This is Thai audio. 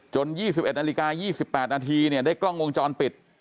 ๒๑นาฬิกา๒๘นาทีได้กล้องวงจรปิด